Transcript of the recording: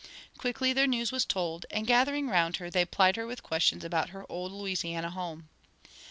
Quickly their news was told, and gathering round her, they plied her with questions about her old Louisiana home.